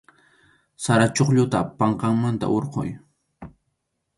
Sara chuqlluta pʼanqanmanta hurquy.